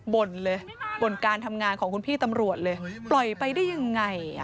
บ่นเลยบ่นการทำงานของคุณพี่ตำรวจเลยปล่อยไปได้ยังไง